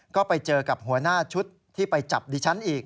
ก็ไปเจอกับหัวหน้าชุดที่ไปจับดิฉันอีก